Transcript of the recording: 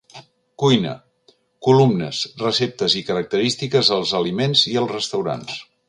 Cuina: columnes, receptes i característiques als aliments i els restaurants.